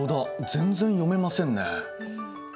全然読めませんね。